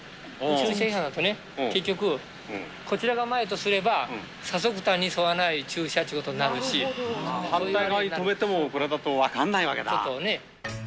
駐車違反だとね、結局、こちらが前とすれば、左側帯に沿わない駐車ということになるし、反対側に止めてもこれちょっとね。